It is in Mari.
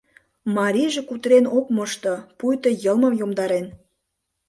Марийже кутырен ок мошто, пуйто йылмым йомдарен.